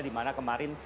di mana kemarin